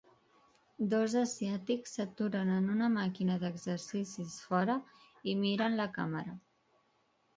Dos asiàtics s'aturen en una màquina d'exercicis fora, i miren la càmera.